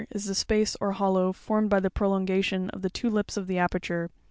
116), is the space or hollow, formed by the prolongation of the two lips of the aperture.